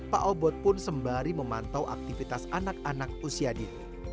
pak obot pun sembari memantau aktivitas anak anak usia dini